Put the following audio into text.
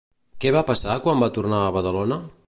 Què va passar quan va tornar a Badalona?